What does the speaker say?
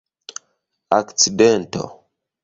akcidento